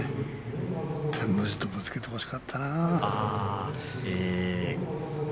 照ノ富士とぶつけてほしかったな。